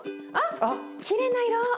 あっきれいな色。